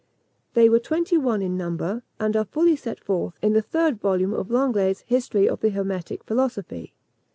They were twenty one in number, and are fully set forth in the third volume of Lenglet's History of the Hermetic Philosophy.